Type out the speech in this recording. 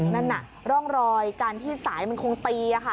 นั่นน่ะร่องรอยการที่สายมันคงตีค่ะ